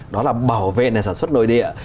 đó là bảo vệ sản xuất nội địa